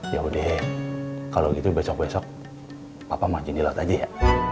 yaudah kalau gitu besok besok papa mancing di laut aja ya